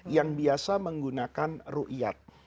yang biasa menggunakan ru'iyat